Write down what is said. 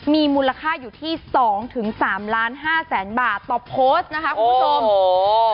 มีมูลค่าอยู่ที่๒๓ล้าน๕แสนบาทต่อโพสต์นะคะคุณสม